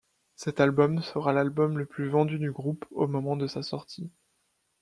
Cet album sera l'album le plus vendu du groupe au moment de sa sortie.